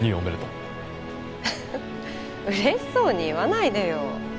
フフッ嬉しそうに言わないでよ。